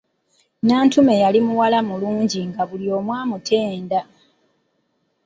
Nantume yali muwala mulungi nga buli omu amutenda!